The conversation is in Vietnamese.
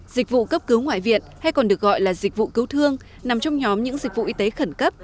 dịch vụ cấp cứu ngoại viện hay còn được gọi là dịch vụ cứu thương nằm trong nhóm những dịch vụ y tế khẩn cấp